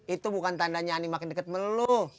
itu bukan tandanya ani makin deket sama lu